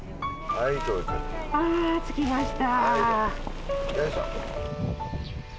・あ着きました。